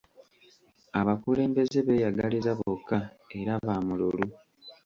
Abakulembeze beeyagaliza bokka era ba mululu.